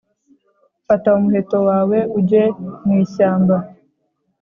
Fata Umuheto wawe ujye mu ishyamba.